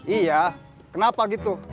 iya kenapa gitu